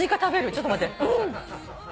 ちょっと待って。